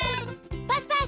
パスパス！